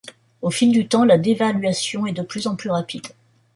Au fil du temps, la dévaluation est de plus en plus rapide.